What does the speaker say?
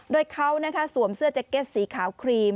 โดยเขาสวมเสื้อแจ็คเก็ตสีขาวครีม